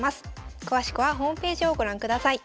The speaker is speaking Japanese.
詳しくはホームページをご覧ください。